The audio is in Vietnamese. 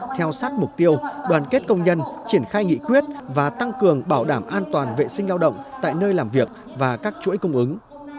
theo sát mục tiêu đoàn kết công nhân triển khai nghị quyết và tăng cường bảo đảm an toàn vệ sinh lao động tại nơi làm việc và các chuỗi cung ứng